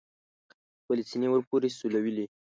خپلې سینې ور پورې سولوي.